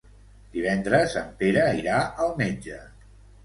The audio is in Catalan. Divendres en Pere irà al metge.